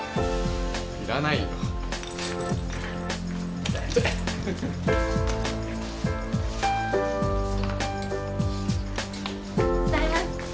いらないよ手伝います